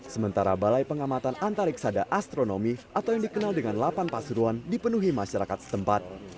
sementara balai pengamatan antariksada astronomi atau yang dikenal dengan lapan pasuruan dipenuhi masyarakat setempat